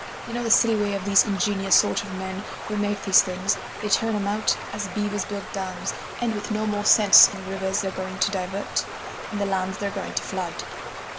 You know the silly way of these ingenious sort of men who make these things; they turn 'em out as beavers build dams, and with no more sense of the rivers they're going to divert and the lands they're going to flood!